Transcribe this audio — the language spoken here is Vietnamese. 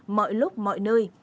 mọi lúc mọi nơi